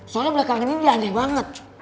soalnya belakangan ini aneh banget